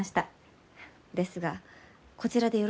ですがこちらでよろしいのですか？